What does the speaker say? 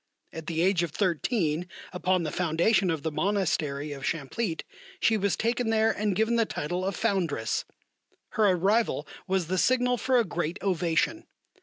At the age of thirteen, upon the foundation of the Monastery of Champlitte, she was taken there and given the title of Foundress. Her arrival was the signal for a great ovation.